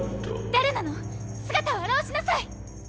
誰なの⁉姿を現しなさい！